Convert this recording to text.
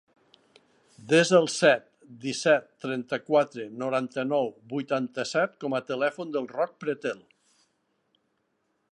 Desa el set, disset, trenta-quatre, noranta-nou, vuitanta-set com a telèfon del Roc Pretel.